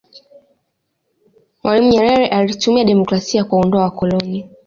mwalimu nyerere alitumia demokrasia kuwaondoa wakoloni